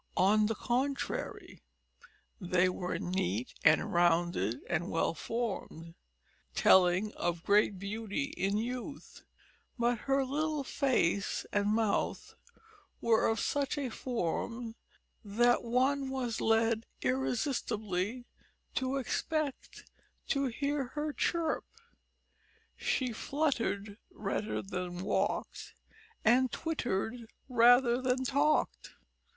On the contrary, they were neat and rounded and well formed, telling of great beauty in youth, but her little face and mouth were of such a form that one was led irresistibly to expect to hear her chirp; she fluttered rather than walked and twittered rather than talked.